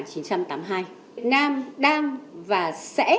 việt nam đang và sẽ